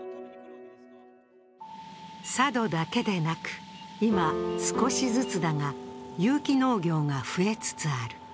佐渡だけでなく、今少しずつだが有機農業が増えつつある。